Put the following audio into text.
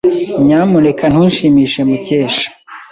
Nyamuneka ntushimishe Mukesha.